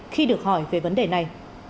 khi được hỏi về vấn đề này